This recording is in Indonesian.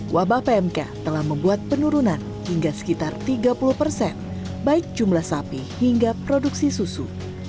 wabah pmk telah membuat penurunan hingga sekitar tiga puluh persen baik jumlah sapi hingga produksi susu